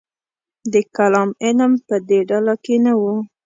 د کلام علم په دې ډله کې نه و.